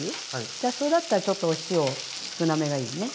じゃあそれだったらちょっとお塩少なめがいいね。